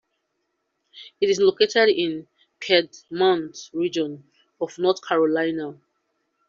It is located in the Piedmont region of North Carolina.